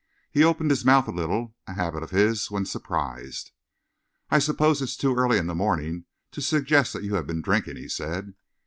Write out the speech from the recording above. He opened his mouth a little, a habit of his when surprised. "I suppose it is too early in the morning to suggest that you have been drinking," he said.